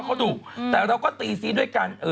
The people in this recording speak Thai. เขาดุแต่เราก็ตีซีด้วยกัน